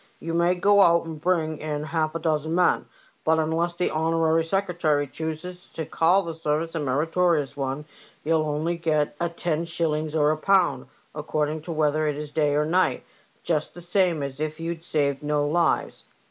You may go out and bring in half a dozen men, but unless the honorary secretary chooses to call the service a meritorious one, you'll only get a ten shillings or a pound, according whether it is day or night, just the same as if you'd saved no lives."